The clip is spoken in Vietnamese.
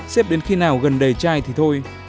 xếp đến khi nào gần đầy chai thì thôi